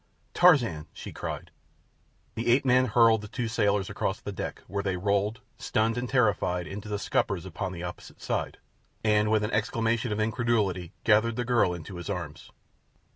"Tarzan!" she cried. The ape man hurled the two sailors across the deck, where they rolled, stunned and terrified, into the scuppers upon the opposite side, and with an exclamation of incredulity gathered the girl into his arms.